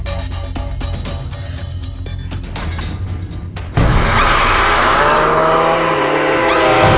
tunggu sebentar ya